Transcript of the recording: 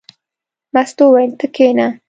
مستو وویل: ته کېنه.